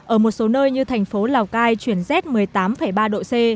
ở một số nơi như thành phố lào cai chuyển z một mươi tám ba độ c